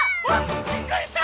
びっくりした！